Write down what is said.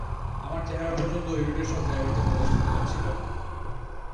আমার চেহারা পর্যন্ত ঐ রুটের সব ড্রাইভারদের মুখস্থ হয়ে যাচ্ছিল।